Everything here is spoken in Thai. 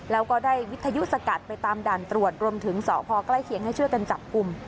แล้วก็ได้วิทยุสกัดไปตามด่านตรวจรวมถึงสพใกล้เคียงให้ช่วยกันจับกลุ่ม